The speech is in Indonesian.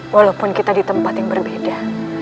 walaupun kita di tempat yang berbeda